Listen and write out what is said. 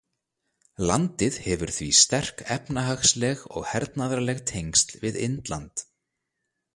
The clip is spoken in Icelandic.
Landið hefur því sterk efnahagsleg og hernaðarleg tengsl við Indland.